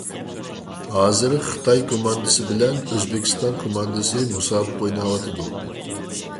ھازىر خىتاي كوماندىسى بىلەن ئۆزبېكىستان كوماندىسى مۇسابىقە ئويناۋاتىدۇ.